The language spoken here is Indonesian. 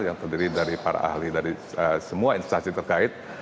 yang terdiri dari para ahli dari semua instansi terkait